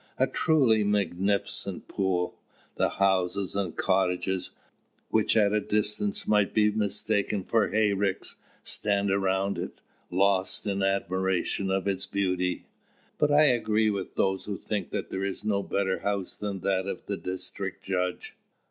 A truly magnificent pool! The houses and cottages, which at a distance might be mistaken for hayricks, stand around it, lost in admiration of its beauty. But I agree with those who think that there is no better house than that of the district judge.